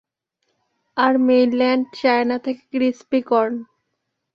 আর mainland China থেকে crispy corn.